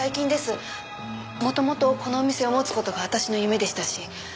元々このお店を持つ事が私の夢でしたし。